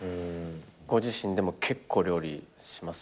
ご自身でも結構料理します？